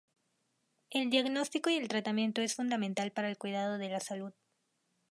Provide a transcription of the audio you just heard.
El diagnostico y el tratamiento es fundamental para el cuidado de la salud.